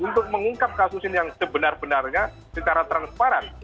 untuk mengungkap kasus ini yang sebenar benarnya secara transparan